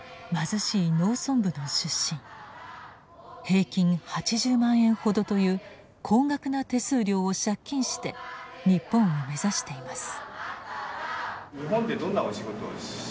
平均８０万円ほどという高額な手数料を借金して日本を目指しています。